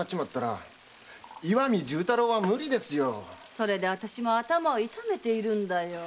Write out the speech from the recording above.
それであたしも頭を痛めているんだよ。